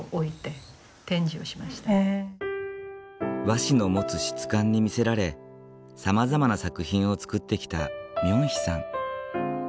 和紙の持つ質感に魅せられさまざまな作品を作ってきたミョンヒさん。